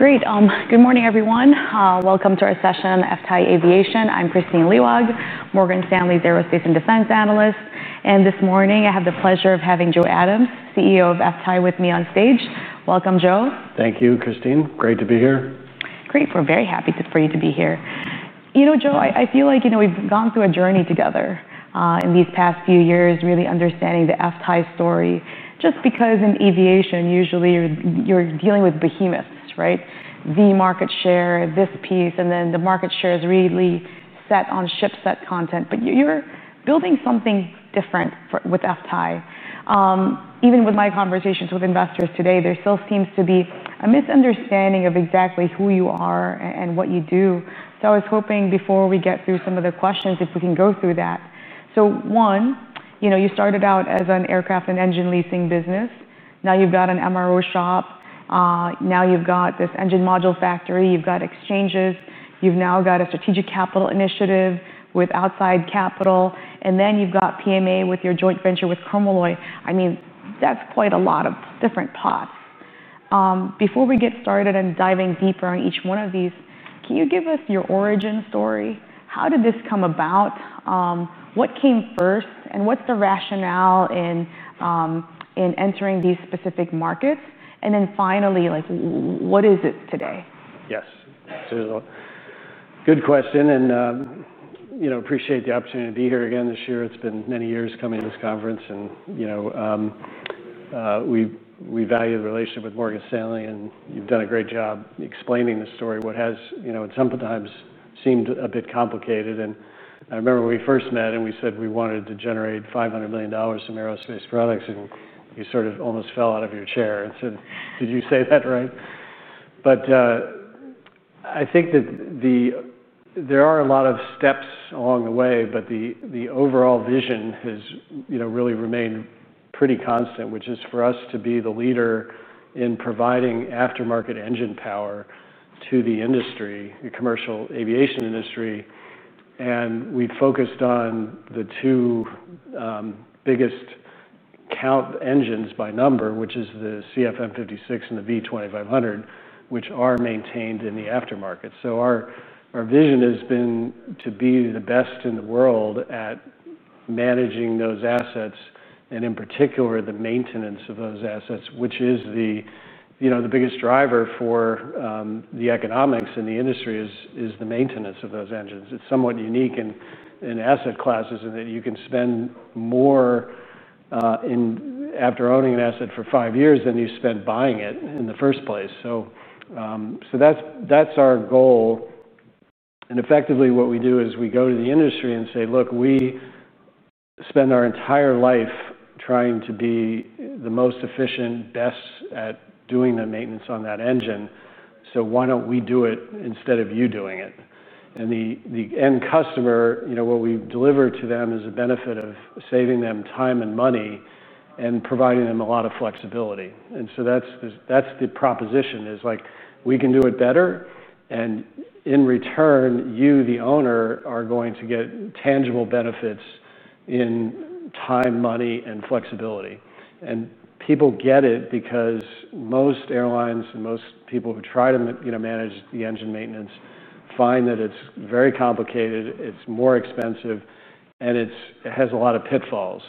Great. Good morning, everyone. Welcome to our session of FTAI Aviation. I'm Kristine Liwag, Morgan Stanley's Aerospace and Defense Analyst. This morning, I have the pleasure of having Joe Adams, CEO of FTAI, with me on stage. Welcome, Joe. Thank you, Kristine. Great to be here. Great. We're very happy for you to be here. You know, Joe, I feel like you know we've gone through a journey together in these past few years, really understanding the FTAI story. Just because in aviation, usually you're dealing with behemoths, right? The market share, this piece, and then the market share is really set on ship set content. You're building something different with FTAI. Even with my conversations with investors today, there still seems to be a misunderstanding of exactly who you are and what you do. I was hoping before we get through some of the questions, if we can go through that. One, you know, you started out as an aircraft and engine leasing business. Now you've got an MRO shop. Now you've got this engine Module Factory. You've got exchanges. You've now got a Strategic Capital Initiative with outside capital. You've got PMA with your joint venture with Chromalloy. I mean, that's quite a lot of different pots. Before we get started on diving deeper on each one of these, can you give us your origin story? How did this come about? What came first? What's the rationale in entering these specific markets? Finally, like what is it today? Yes. Good question. I appreciate the opportunity to be here again this year. It's been many years coming to this conference. We value the relationship with Morgan Stanley. You've done a great job explaining the story, what has sometimes seemed a bit complicated. I remember when we first met and we said we wanted to generate $500 million in aerospace products, and you sort of almost fell out of your chair. Did you say that right? I think that there are a lot of steps along the way. The overall vision has really remained pretty constant, which is for us to be the leader in providing aftermarket engine power to the industry, the commercial aviation industry. We focused on the two biggest engines by number, which is the CFM56 and the V2500, which are maintained in the aftermarket. Our vision has been to be the best in the world at managing those assets, and in particular, the maintenance of those assets, which is the biggest driver for the economics in the industry, the maintenance of those engines. It's somewhat unique in asset classes in that you can spend more after owning an asset for five years than you spend buying it in the first place. That's our goal. Effectively, what we do is we go to the industry and say, look, we spend our entire life trying to be the most efficient, best at doing the maintenance on that engine. Why don't we do it instead of you doing it? The end customer, what we deliver to them is a benefit of saving them time and money and providing them a lot of flexibility. That's the proposition, we can do it better. In return, you, the owner, are going to get tangible benefits in time, money, and flexibility. People get it because most airlines and most people who try to manage the engine maintenance find that it's very complicated. It's more expensive. It has a lot of pitfalls.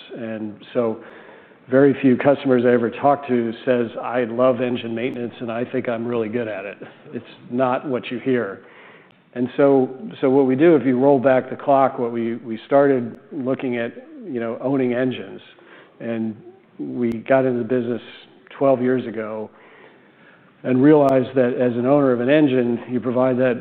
Very few customers I ever talk to say, I love engine maintenance, and I think I'm really good at it. It's not what you hear. What we do, if you roll back the clock, what we started looking at, owning engines. We got into the business 12 years ago and realized that as an owner of an engine, you provide that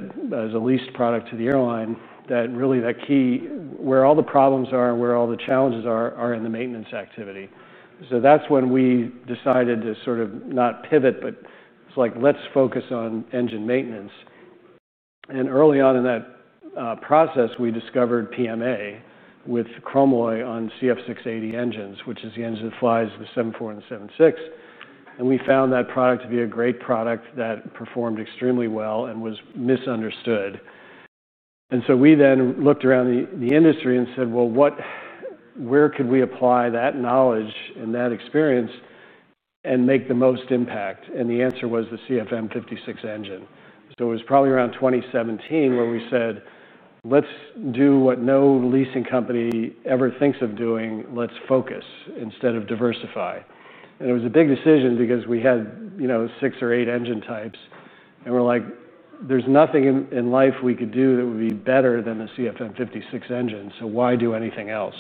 as a leased product to the airline, that really the key where all the problems are, where all the challenges are, are in the maintenance activity. That's when we decided to sort of not pivot, but it's like, let's focus on engine maintenance. Early on in that process, we discovered PMA with Chromalloy on CFM56 engines, which is the engine that flies the 747 and the 767. We found that product to be a great product that performed extremely well and was misunderstood. We then looked around the industry and said, where could we apply that knowledge and that experience and make the most impact? The answer was the CFM56 engine. It was probably around 2017 where we said, let's do what no leasing company ever thinks of doing. Let's focus instead of diversify. It was a big decision because we had, you know, six or eight engine types. We're like, there's nothing in life we could do that would be better than the CFM56 engine. Why do anything else?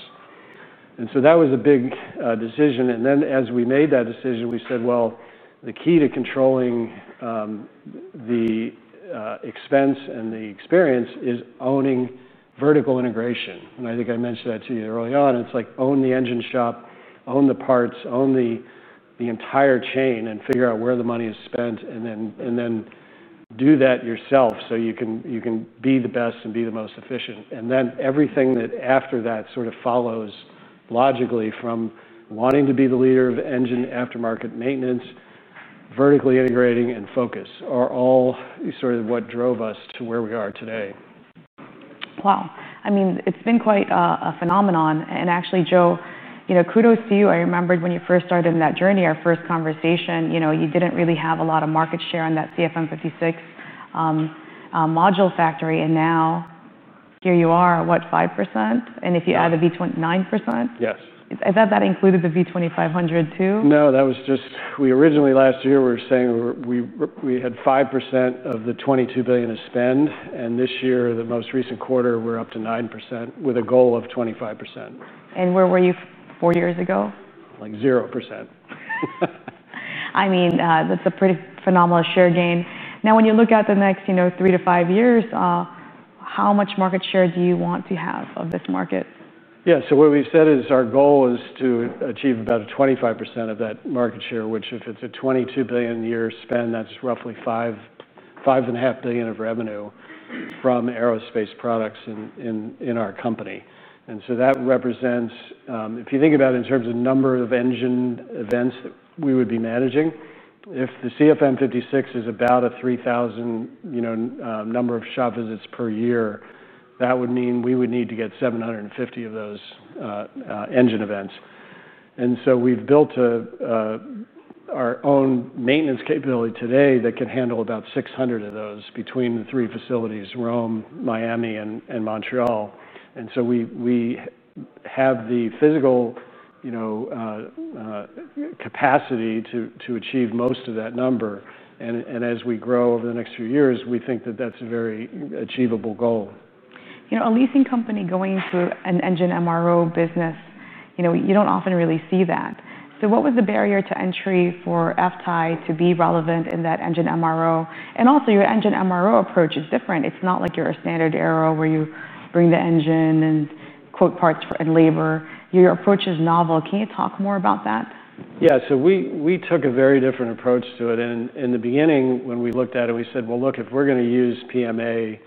That was a big decision. As we made that decision, we said the key to controlling the expense and the experience is owning vertical integration. I think I mentioned that to you early on. It's like own the engine shop, own the parts, own the entire chain, and figure out where the money is spent, and then do that yourself so you can be the best and be the most efficient. Everything that after that sort of follows logically from wanting to be the leader of engine aftermarket maintenance, vertically integrating, and focus are all sort of what drove us to where we are today. Wow. I mean, it's been quite a phenomenon. Actually, Joe, kudos to you. I remembered when you first started in that journey, our first conversation, you didn't really have a lot of market share in that CFM56 Module Factory. Now here you are, what, 5%? If you add the V2500, 9%? Yes. Is that included the V2500 too? No, that was just we originally last year were saying we had 5% of the $22 billion to spend. This year, the most recent quarter, we're up to 9% with a goal of 25%. Where were you four years ago? Like 0%. That's a pretty phenomenal share gain. Now, when you look at the next three to five years, how much market share do you want to have of this market? Yeah, so what we've said is our goal is to achieve about 25% of that market share, which if it's a $22 billion a year spend, that's roughly $5.5 billion of revenue from aerospace products in our company. That represents, if you think about it in terms of the number of engine events that we would be managing, if the CFM56 is about a 3,000, you know, number of shop visits per year, that would mean we would need to get 750 of those engine events. We've built our own maintenance capability today that can handle about 600 of those between the three facilities: Rome, Miami, and Montreal. We have the physical, you know, capacity to achieve most of that number. As we grow over the next few years, we think that that's a very achievable goal. You know, a leasing company going through an engine MRO business, you don't often really see that. What was the barrier to entry for FTAI to be relevant in that engine MRO? Also, your engine MRO approach is different. It's not like your standard aero where you bring the engine and quote parts and labor. Your approach is novel. Can you talk more about that? Yeah, so we took a very different approach to it. In the beginning, when we looked at it, we said, if we're going to use PMA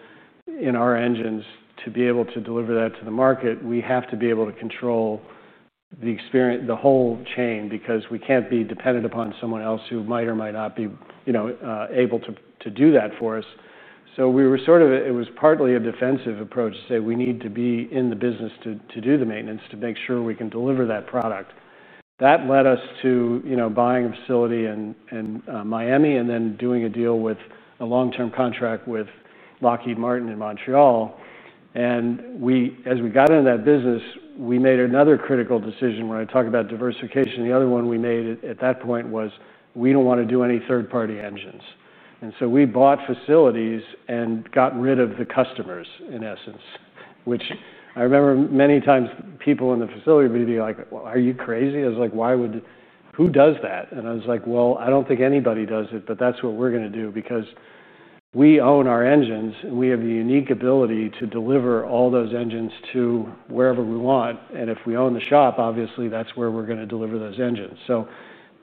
in our engines to be able to deliver that to the market, we have to be able to control the whole chain because we can't be dependent upon someone else who might or might not be able to do that for us. It was partly a defensive approach to say we need to be in the business to do the maintenance to make sure we can deliver that product. That led us to buying a facility in Miami and then doing a deal with a long-term contract with Lockheed Martin in Montreal. As we got into that business, we made another critical decision. When I talk about diversification, the other one we made at that point was we don't want to do any third-party engines. We bought facilities and got rid of the customers, in essence, which I remember many times people in the facility would be like, are you crazy? I was like, why would, who does that? I was like, I don't think anybody does it. That's what we're going to do because we own our engines. We have the unique ability to deliver all those engines to wherever we want. If we own the shop, obviously, that's where we're going to deliver those engines.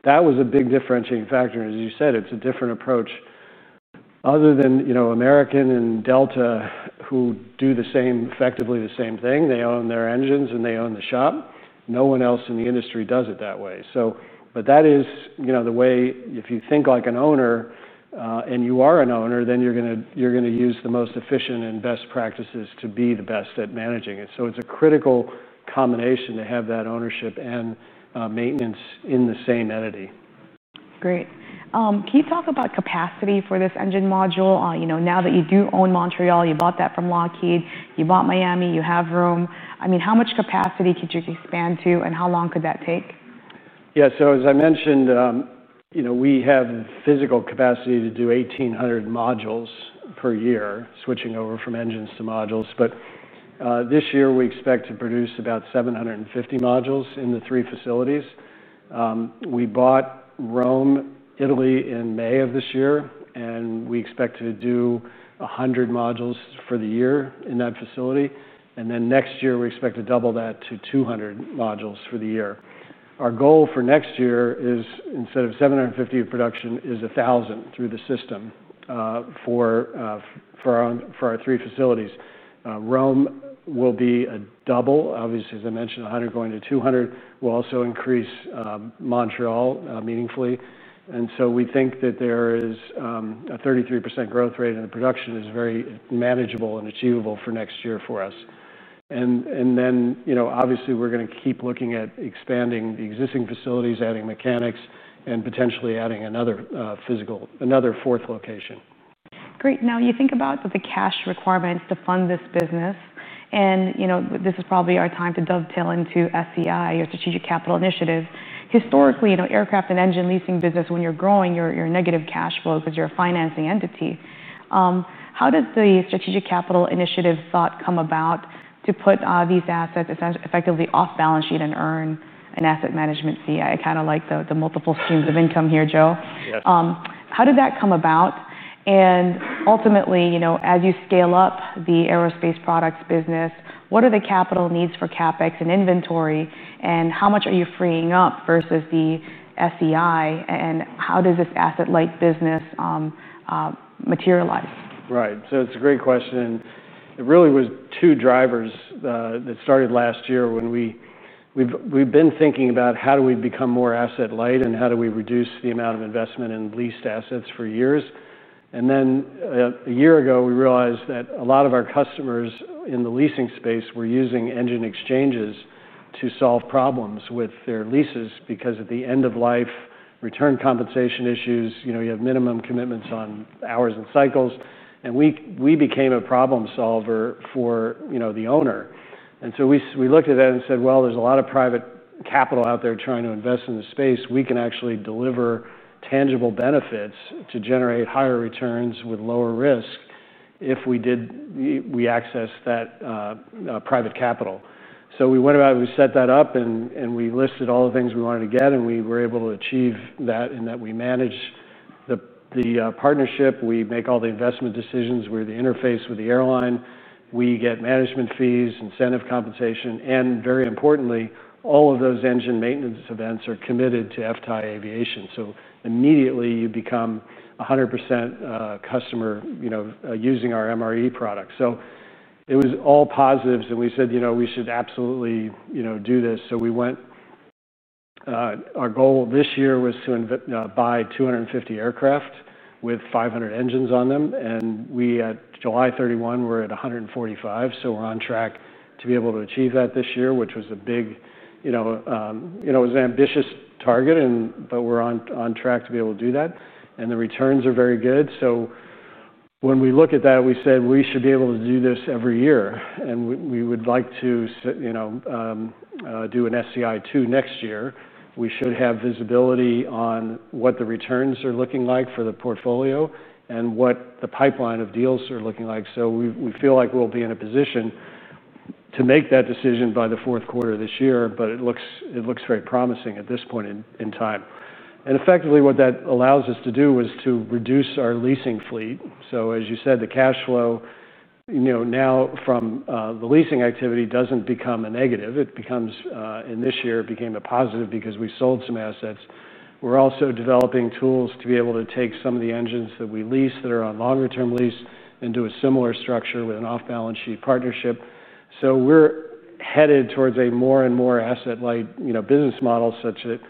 That was a big differentiating factor. As you said, it's a different approach. Other than American and Delta, who do effectively the same thing, they own their engines and they own the shop, no one else in the industry does it that way. That is the way if you think like an owner, and you are an owner, then you're going to use the most efficient and best practices to be the best at managing it. It's a critical combination to have that ownership and maintenance in the same entity. Great. Can you talk about capacity for this engine module? Now that you do own Montreal, you bought that from Lockheed. You bought Miami. You have Rome. How much capacity could you expand to, and how long could that take? Yeah, as I mentioned, we have physical capacity to do 1,800 modules per year, switching over from engines to modules. This year, we expect to produce about 750 modules in the three facilities. We bought Rome, Italy, in May of this year, and we expect to do 100 modules for the year in that facility. Next year, we expect to double that to 200 modules for the year. Our goal for next year is, instead of 750 of production, 1,000 through the system for our three facilities. Rome will be a double, obviously, as I mentioned, 100 going to 200. We'll also increase Montreal meaningfully. We think that there is a 33% growth rate in the production that is very manageable and achievable for next year for us. We're going to keep looking at expanding the existing facilities, adding mechanics, and potentially adding another physical, another fourth location. Great. Now, you think about the cash requirements to fund this business. This is probably our time to dovetail into SEI or Strategic Capital Initiative. Historically, aircraft and engine leasing business, when you're growing, you're a negative cash flow because you're a financing entity. How does the Strategic Capital Initiative thought come about to put these assets effectively off balance sheet and earn an asset management CI, kind of like the multiple streams of income here, Joe? Yes. How did that come about? Ultimately, as you scale up the aerospace products business, what are the capital needs for CapEx and inventory? How much are you freeing up versus the SEI? How does this asset-light business materialize? Right. It's a great question. It really was two drivers that started last year when we've been thinking about how do we become more asset-light and how do we reduce the amount of investment in leased assets for years. Then a year ago, we realized that a lot of our customers in the leasing space were using engine exchanges to solve problems with their leases because at the end of life, return compensation issues, you have minimum commitments on hours and cycles. We became a problem solver for the owner. We looked at that and said, there's a lot of private capital out there trying to invest in the space. We can actually deliver tangible benefits to generate higher returns with lower risk if we access that private capital. We went about, we set that up, and we listed all the things we wanted to get. We were able to achieve that in that we manage the partnership. We make all the investment decisions. We're the interface with the airline. We get management fees, incentive compensation, and very importantly, all of those engine maintenance events are committed to FTAI Aviation. Immediately, you become 100% customer, using our MRO product. It was all positives. We said, we should absolutely do this. Our goal this year was to buy 250 aircraft with 500 engines on them. At July 31, we're at 145. We're on track to be able to achieve that this year, which was a big, it was an ambitious target. We're on track to be able to do that, and the returns are very good. When we look at that, we said, we should be able to do this every year. We would like to do an SEI 2 next year. We should have visibility on what the returns are looking like for the portfolio and what the pipeline of deals are looking like. We feel like we'll be in a position to make that decision by the fourth quarter of this year. It looks very promising at this point in time. Effectively, what that allows us to do is to reduce our leasing fleet. As you said, the cash flow now from the leasing activity doesn't become a negative. It becomes, in this year, it became a positive because we sold some assets. We're also developing tools to be able to take some of the engines that we lease that are on longer-term lease into a similar structure with an off-balance sheet partnership. We're headed towards a more and more asset-light, you know, business model, such that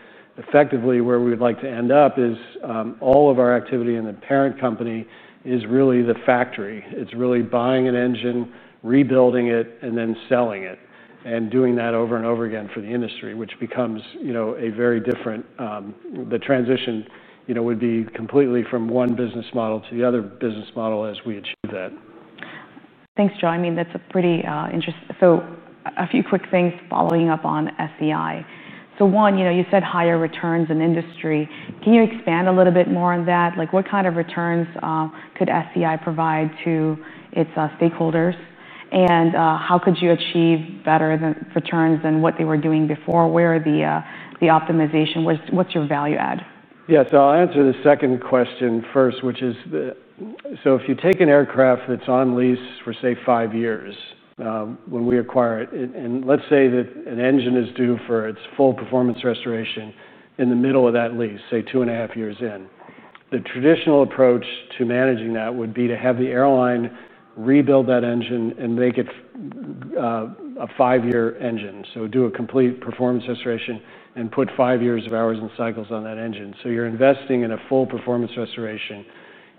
effectively where we would like to end up is all of our activity in the parent company is really the factory. It's really buying an engine, rebuilding it, and then selling it and doing that over and over again for the industry, which becomes, you know, a very different, the transition, you know, would be completely from one business model to the other business model as we achieve that. Thanks, Joe. I mean, that's pretty interesting. A few quick things following up on SEI. One, you said higher returns in industry. Can you expand a little bit more on that? What kind of returns could SEI provide to its stakeholders? How could you achieve better returns than what they were doing before? Where are the optimizations? What's your value add? Yeah, so I'll answer the second question first, which is, if you take an aircraft that's on lease for, say, five years when we acquire it, and let's say that an engine is due for its full performance restoration in the middle of that lease, say, 2.5 years in, the traditional approach to managing that would be to have the airline rebuild that engine and make it a five-year engine. Do a complete performance restoration and put five years of hours and cycles on that engine. You're investing in a full performance restoration.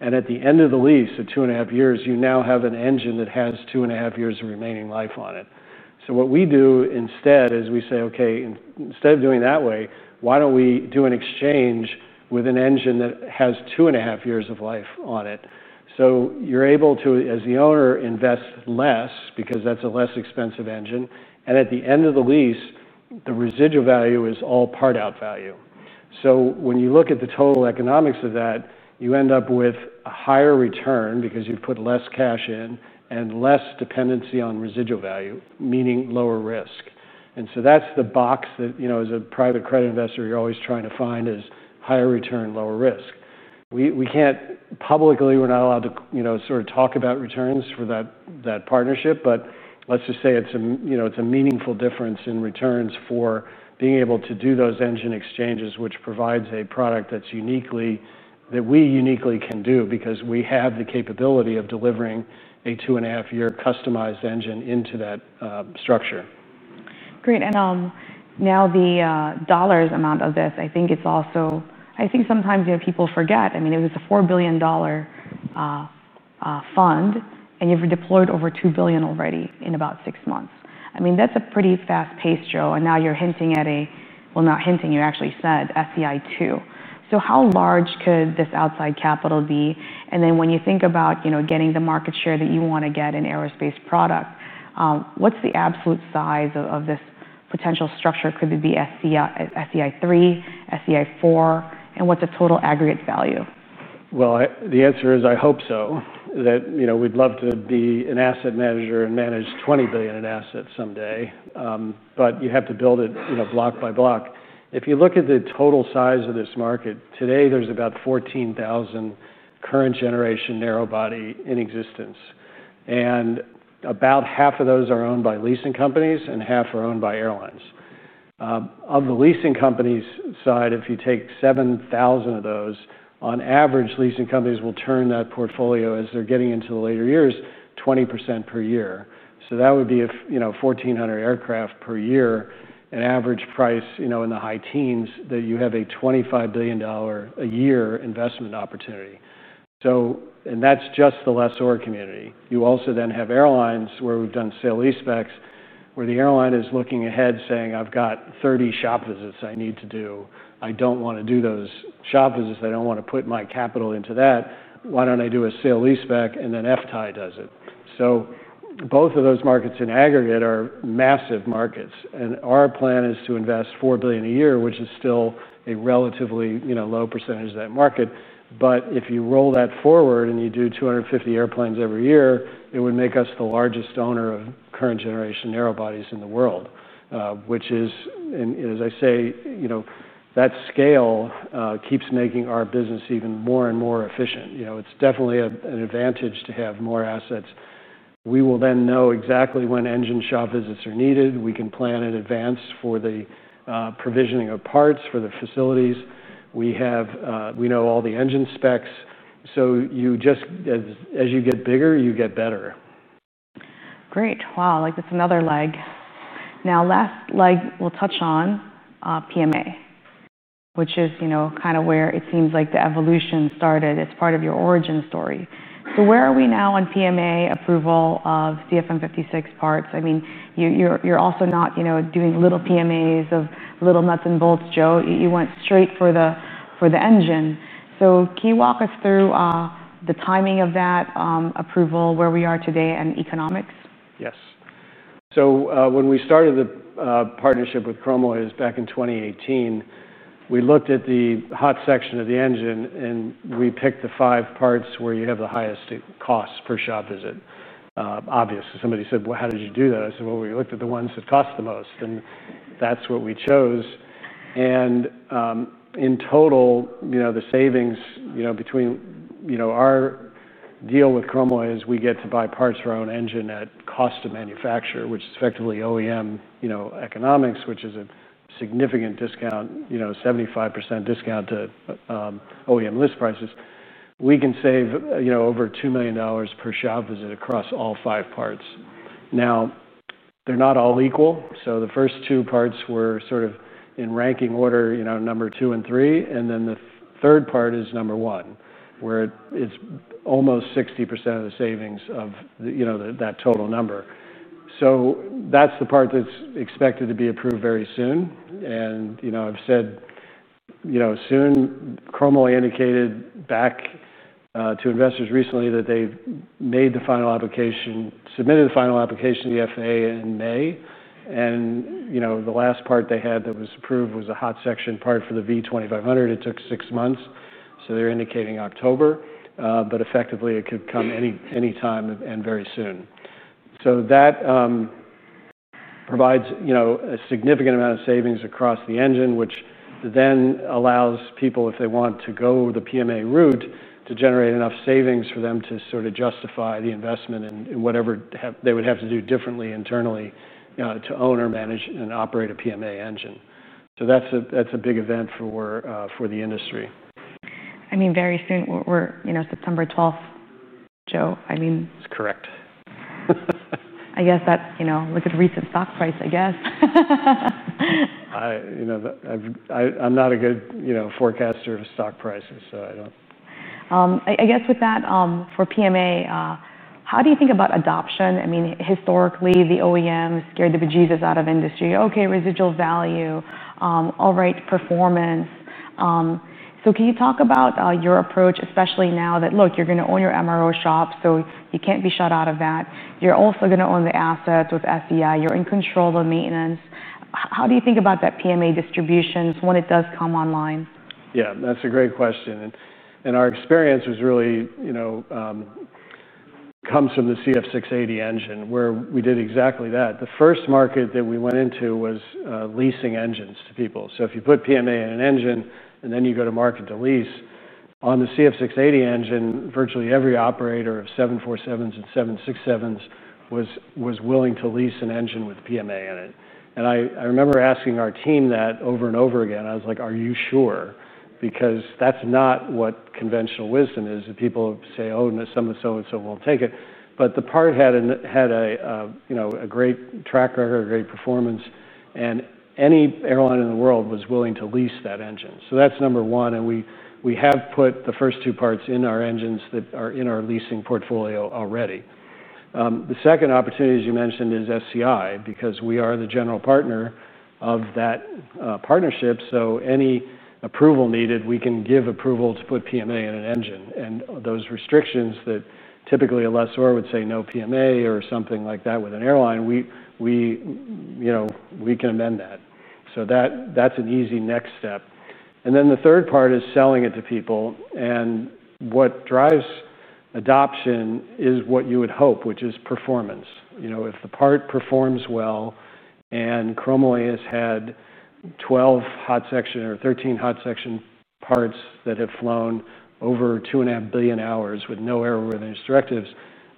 At the end of the lease, at 2.5 years, you now have an engine that has 2.5 years of remaining life on it. What we do instead is we say, OK, instead of doing it that way, why don't we do an exchange with an engine that has 2.5 years of life on it? You're able to, as the owner, invest less because that's a less expensive engine. At the end of the lease, the residual value is all part-out value. When you look at the total economics of that, you end up with a higher return because you've put less cash in and less dependency on residual value, meaning lower risk. That's the box that, as a private credit investor, you're always trying to find is higher return, lower risk. We can't publicly, we're not allowed to, sort of talk about returns for that partnership. Let's just say it's a meaningful difference in returns for being able to do those engine exchanges, which provides a product that we uniquely can do because we have the capability of delivering a 2.5 year customized engine into that structure. Great. Now the dollar amount of this, I think it's also, I think sometimes, you know, people forget. I mean, it was a $4 billion fund, and you've deployed over $2 billion already in about six months. That's a pretty fast pace, Joe. Now you're hinting at a, well, not hinting, you actually said SEI 2. How large could this outside capital be? When you think about getting the market share that you want to get in aerospace product, what's the absolute size of this potential structure? Could it be SEI 3, SEI 4? What's the total aggregate value? I hope so, that, you know, we'd love to be an asset manager and manage $20 billion in assets someday. You have to build it, you know, block by block. If you look at the total size of this market, today there's about 14,000 current-generation narrowbody in existence. About half of those are owned by leasing companies and half are owned by airlines. Of the leasing companies side, if you take 7,000 of those, on average, leasing companies will turn that portfolio as they're getting into the later years 20% per year. That would be, you know, 1,400 aircraft per year, an average price, you know, in the high teens that you have a $25 billion a year investment opportunity. That's just the lessor community. You also then have airlines where we've done sale lease specs, where the airline is looking ahead, saying, I've got 30 shop visits I need to do. I don't want to do those shop visits. I don't want to put my capital into that. Why don't I do a sale lease spec and then FTAI does it? Both of those markets in aggregate are massive markets. Our plan is to invest $4 billion a year, which is still a relatively, you know, low percentage of that market. If you roll that forward and you do 250 airplanes every year, it would make us the largest owner of current-generation narrowbodies in the world, which is, and as I say, you know, that scale keeps making our business even more and more efficient. It's definitely an advantage to have more assets. We will then know exactly when engine shop visits are needed. We can plan in advance for the provisioning of parts for the facilities. We have, we know all the engine specs. As you get bigger, you get better. Great. Wow. That's another leg. Now, last leg, we'll touch on PMA, which is, you know, kind of where it seems like the evolution started as part of your origin story. Where are we now on PMA approval of CFM56 parts? I mean, you're also not, you know, doing little PMAs of little nuts and bolts, Joe. You went straight for the engine. Can you walk us through the timing of that approval, where we are today, and economics? Yes. When we started the partnership with Chromalloy back in 2018, we looked at the hot section of the engine. We picked the five parts where you have the highest costs per shop visit. Obviously, somebody said, how did you do that? I said, we looked at the ones that cost the most. That's what we chose. In total, the savings between our deal with Chromalloy is we get to buy parts for our own engine at cost to manufacture, which is effectively OEM economics, which is a significant discount, 75% discount to OEM list prices. We can save over $2 million per shop visit across all five parts. They're not all equal. The first two parts were sort of in ranking order, number two and three. The third part is number one, where it's almost 60% of the savings of that total number. That's the part that's expected to be approved very soon. Chromalloy indicated back to investors recently that they made the final application, submitted the final application to the FAA in May. The last part they had that was approved was a hot section part for the V2500. It took six months. They're indicating October. Effectively, it could come any time and very soon. That provides a significant amount of savings across the engine, which then allows people, if they want to go the PMA route, to generate enough savings for them to justify the investment in whatever they would have to do differently internally to own or manage and operate a PMA engine. That's a big event for the industry. I mean, very soon, we're, you know, September 12th, Joe. I mean. That's correct. I guess, you know, look at the recent stock price, I guess. I'm not a good forecaster of stock prices. I don't. I guess with that, for PMA, how do you think about adoption? I mean, historically, the OEMs scared the bejesus out of industry. OK, residual value, all right, performance. Can you talk about your approach, especially now that, look, you're going to own your MRO shop? You can't be shut out of that. You're also going to own the assets with SEI. You're in control of the maintenance. How do you think about that PMA distributions when it does come online? Yeah, that's a great question. Our experience really comes from the CFM56 engine, where we did exactly that. The first market that we went into was leasing engines to people. If you put PMA in an engine and then you go to market to lease, on the CFM56 engine, virtually every operator of 747s and 767s was willing to lease an engine with PMA in it. I remember asking our team that over and over again. I was like, are you sure? Because that's not what conventional wisdom is, that people say, oh, someone so and so won't take it. The part had a great track record, great performance, and any airline in the world was willing to lease that engine. That's number one. We have put the first two parts in our engines that are in our leasing portfolio already. The second opportunity, as you mentioned, is SEI because we are the general partner of that partnership. Any approval needed, we can give approval to put PMA in an engine. Those restrictions that typically a lessor would say no PMA or something like that with an airline, we can amend that. That's an easy next step. The third part is selling it to people. What drives adoption is what you would hope, which is performance. If the part performs well, and Chromalloy has had 12 hot section or 13 hot section parts that have flown over 2.5 billion hours with no error with instructives,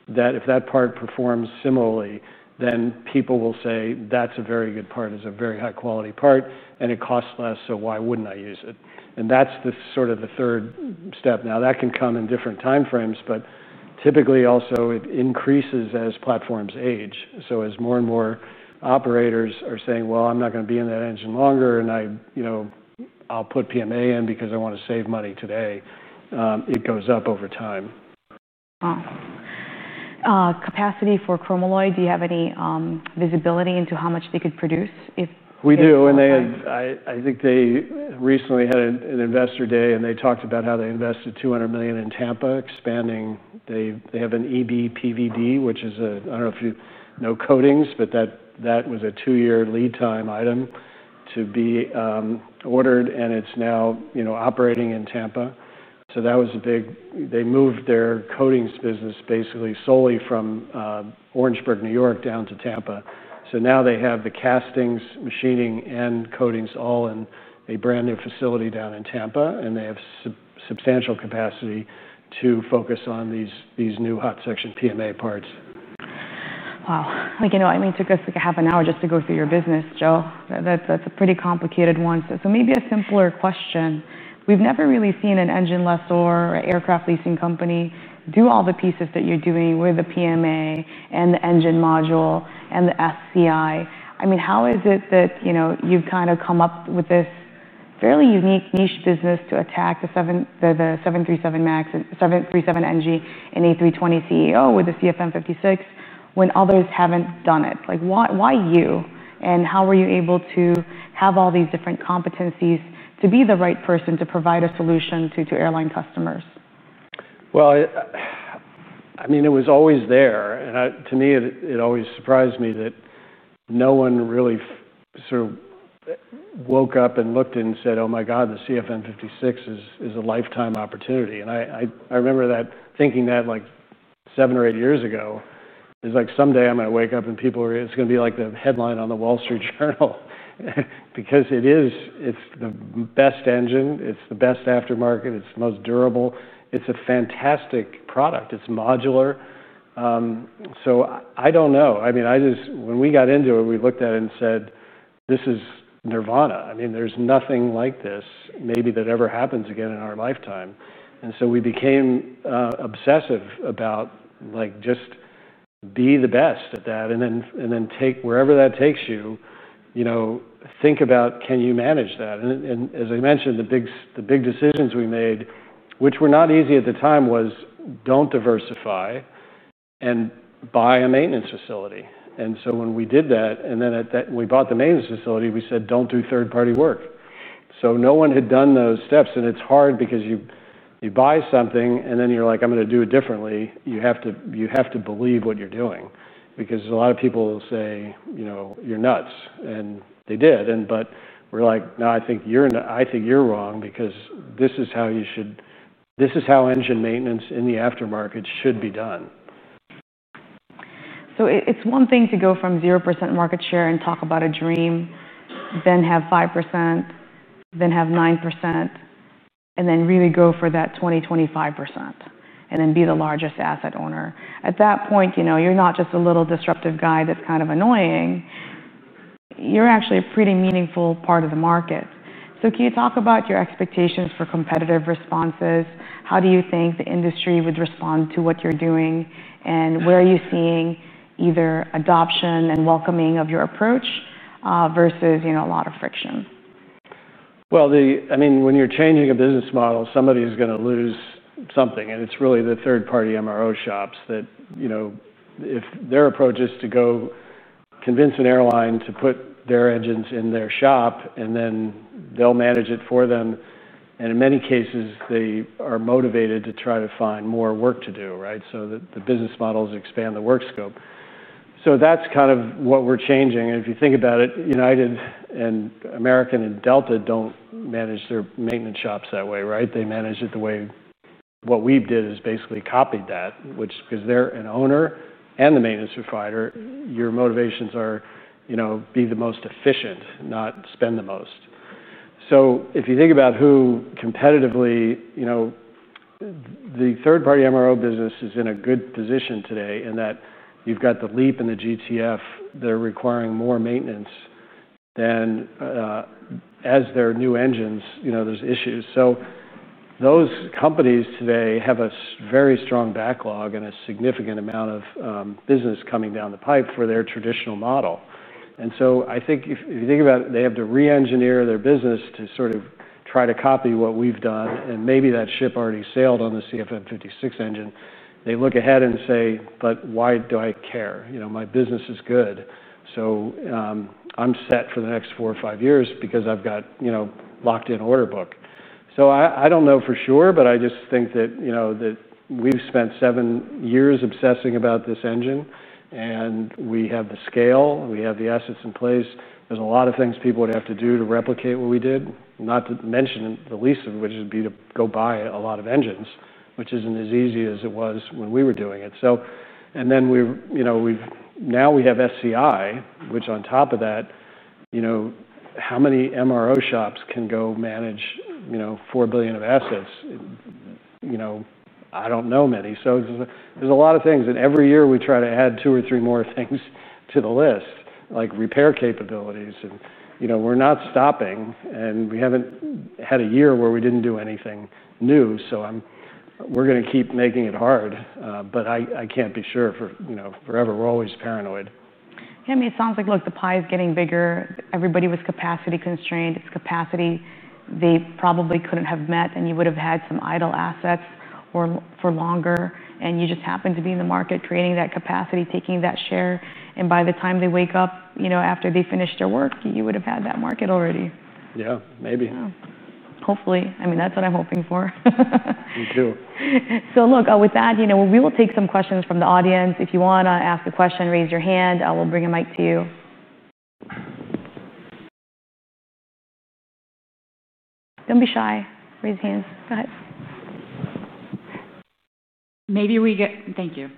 if that part performs similarly, then people will say that's a very good part. It's a very high-quality part, and it costs less. Why wouldn't I use it? That's sort of the third step. That can come in different time frames. Typically, also, it increases as platforms age. As more and more operators are saying, I'm not going to be in that engine longer, and I'll put PMA in because I want to save money today, it goes up over time. Wow. Capacity for Chromalloy, do you have any visibility into how much they could produce? We do. I think they recently had an investor day, and they talked about how they invested $200 million in Tampa, expanding. They have an EB-PVD, which is a, I don't know if you know coatings, but that was a two-year lead time item to be ordered. It's now operating in Tampa. That was a big move; they moved their coatings business basically solely from Orangeburg, New York, down to Tampa. Now they have the castings, machining, and coatings all in a brand new facility down in Tampa, and they have substantial capacity to focus on these new hot section PMA parts. Wow. I mean, it took us like a half an hour just to go through your business, Joe. That's a pretty complicated one. Maybe a simpler question. We've never really seen an engine lessor or an aircraft leasing company do all the pieces that you're doing with the PMA and the engine module and the SEI. How is it that you've kind of come up with this fairly unique niche business to attack the 737 MAX and 737 NG and A320 CEO with the CFM56 when others haven't done it? Why you? How were you able to have all these different competencies to be the right person to provide a solution to airline customers? It was always there. To me, it always surprised me that no one really sort of woke up and looked and said, oh, my god, the CFM56 is a lifetime opportunity. I remember thinking that like seven or eight years ago. It's like someday I'm going to wake up and it's going to be like the headline on The Wall Street Journal because it is, it's the best engine. It's the best aftermarket. It's the most durable. It's a fantastic product. It's modular. I don't know. I just, when we got into it, we looked at it and said, this is nirvana. There's nothing like this maybe that ever happens again in our lifetime. We became obsessive about, like, just be the best at that and then take wherever that takes you. You know, think about, can you manage that? As I mentioned, the big decisions we made, which were not easy at the time, were don't diversify and buy a maintenance facility. When we did that, and then we bought the maintenance facility, we said, don't do third-party work. No one had done those steps. It's hard because you buy something, and then you're like, I'm going to do it differently. You have to believe what you're doing because a lot of people will say, you know, you're nuts. They did. We're like, no, I think you're wrong because this is how you should, this is how engine maintenance in the aftermarket should be done. It's one thing to go from 0% market share and talk about a dream, then have 5%, then have 9%, and then really go for that 20%, 25%, and then be the largest asset owner. At that point, you know, you're not just a little disruptive guy that's kind of annoying. You're actually a pretty meaningful part of the market. Can you talk about your expectations for competitive responses? How do you think the industry would respond to what you're doing? Where are you seeing either adoption and welcoming of your approach versus, you know, a lot of friction? When you're changing a business model, somebody is going to lose something. It's really the third-party MRO shops that, you know, if their approach is to go convince an airline to put their engines in their shop, and then they'll manage it for them. In many cases, they are motivated to try to find more work to do, right? The business models expand the work scope. That's kind of what we're changing. If you think about it, United and American and Delta don't manage their maintenance shops that way, right? They manage it the way what we did is basically copied that, which because they're an owner and the maintenance provider, your motivations are, you know, be the most efficient, not spend the most. If you think about who competitively, you know, the third-party MRO business is in a good position today in that you've got the LEAP and the GTF. They're requiring more maintenance than as their new engines, you know, there's issues. Those companies today have a very strong backlog and a significant amount of business coming down the pipe for their traditional model. I think if you think about it, they have to re-engineer their business to sort of try to copy what we've done. Maybe that ship already sailed on the CFM56 engine. They look ahead and say, but why do I care? You know, my business is good. I'm set for the next four or five years because I've got, you know, locked in order book. I don't know for sure. I just think that, you know, that we've spent seven years obsessing about this engine. We have the scale. We have the assets in place. There's a lot of things people would have to do to replicate what we did, not to mention the least of which would be to go buy a lot of engines, which isn't as easy as it was when we were doing it. Now we have SEI, which on top of that, you know, how many MRO shops can go manage, you know, $4 billion of assets? I don't know many. There's a lot of things. Every year, we try to add two or three more things to the list, like repair capabilities. We're not stopping. We haven't had a year where we didn't do anything new. We're going to keep making it hard. I can't be sure for, you know, forever. We're always paranoid. Yeah, I mean, it sounds like the pie is getting bigger. Everybody was capacity constrained. It's capacity they probably couldn't have met, and you would have had some idle assets for longer. You just happened to be in the market creating that capacity, taking that share. By the time they wake up, after they finish their work, you would have had that market already. Yeah, maybe. Yeah, hopefully. That's what I'm hoping for. Me too. With that, we will take some questions from the audience. If you want to ask a question, raise your hand. We'll bring a mic to you. Don't be shy. Raise your hands. Go ahead. Thank you.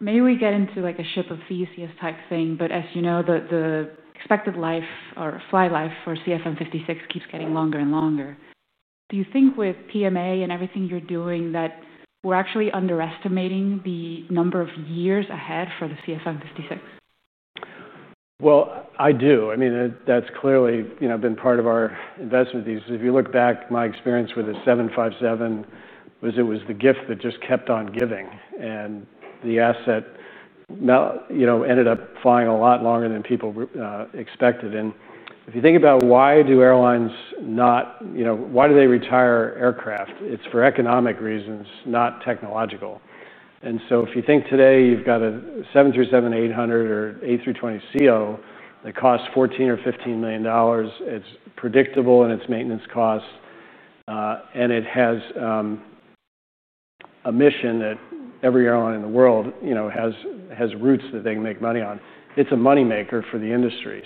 Maybe we get into like a ship of Theseus type thing. As you know, the expected life, or fly life, for CFM56 keeps getting longer and longer. Do you think with PMA and everything you're doing that we're actually underestimating the number of years ahead for the CFM56? I mean, that's clearly been part of our investment thesis. If you look back, my experience with the 757 was it was the gift that just kept on giving. The asset ended up flying a lot longer than people expected. If you think about why do airlines retire aircraft, it's for economic reasons, not technological. If you think today you've got a 737-800 or A320 CEO that costs $14 billion or $15 million, it's predictable in its maintenance costs. It has a mission that every airline in the world has routes that they can make money on. It's a moneymaker for the industry,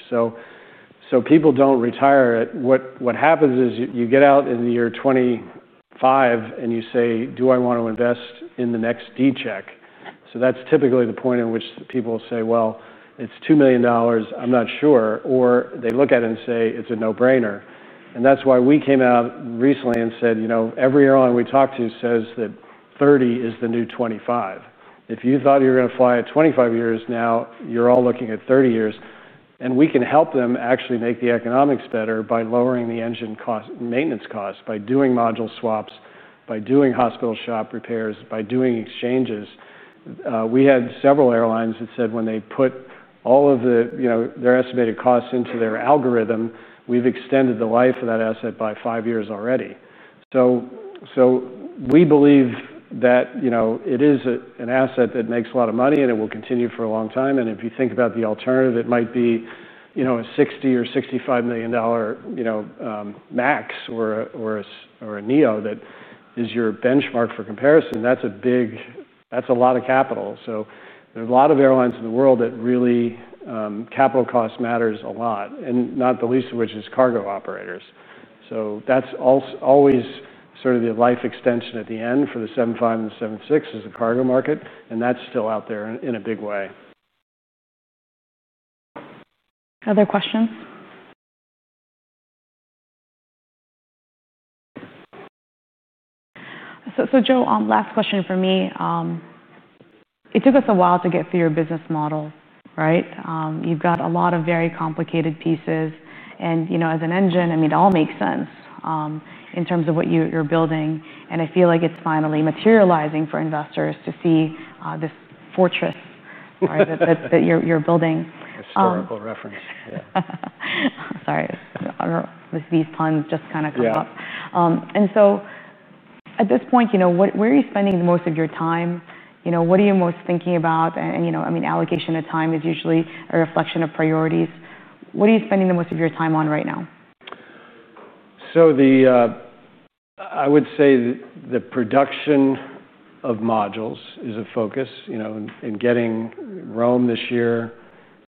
so people don't retire it. What happens is you get out in the year 2025, and you say, do I want to invest in the next D check? That's typically the point in which people will say, it's $2 million, I'm not sure. Or they look at it and say, it's a no-brainer. That's why we came out recently and said every airline we talk to says that 30 is the new 25. If you thought you were going to fly at 25 years, now you're all looking at 30 years. We can help them actually make the economics better by lowering the engine cost, maintenance costs, by doing module swaps, by doing hospital shop repairs, by doing exchanges. We had several airlines that said when they put all of their estimated costs into their algorithm, we've extended the life of that asset by five years already. We believe that it is an asset that makes a lot of money, and it will continue for a long time. If you think about the alternative, it might be a $60 milion or $65 million MAX or a NEO that is your benchmark for comparison. That's a lot of capital. There are a lot of airlines in the world that really, capital cost matters a lot, and not the least of which is cargo operators. That's always sort of the life extension at the end for the 757 and the 767, the cargo market. That's still out there in a big way. Other questions? Joe, last question from me. It took us a while to get through your business model, right? You've got a lot of very complicated pieces. You know, as an engine, I mean, it all makes sense in terms of what you're building. I feel like it's finally materializing for investors to see this fortress, right, that you're building. Historical reference. Sorry, these puns just kind of come up. Yeah. At this point, where are you spending the most of your time? What are you most thinking about? Allocation of time is usually a reflection of priorities. What are you spending the most of your time on right now? I would say the production of modules is a focus, you know, in getting Rome this year,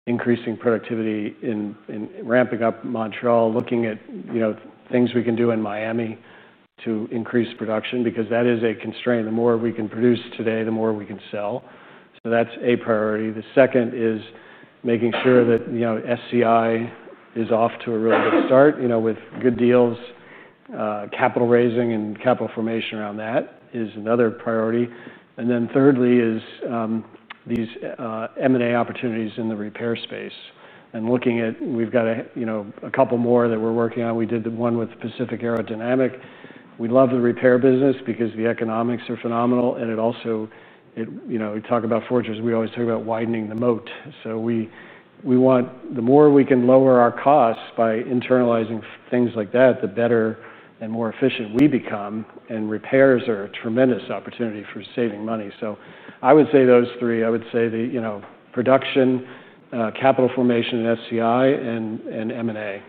increasing productivity in ramping up Montreal, looking at, you know, things we can do in Miami to increase production because that is a constraint. The more we can produce today, the more we can sell. That's a priority. The second is making sure that, you know, SEI is off to a really good start, you know, with good deals, capital raising, and capital formation around that is another priority. Thirdly is these M&A opportunities in the repair space. Looking at, we've got a couple more that we're working on. We did the one with Pacific Aerodynamic. We love the repair business because the economics are phenomenal. It also, you know, we talk about forgers. We always talk about widening the moat. We want the more we can lower our costs by internalizing things like that, the better and more efficient we become. Repairs are a tremendous opportunity for saving money. I would say those three. I would say the, you know, production, capital formation, and SEI, and M&A.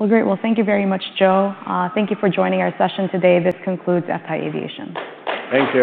Thank you very much, Joe. Thank you for joining our session today. This concludes FTAI Aviation. Thank you.